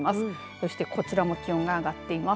そしてこちらも気温が上がっています。